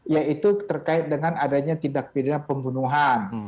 yaitu terkait dengan adanya tindak pidana pembunuhan